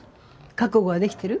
覚悟はできてる？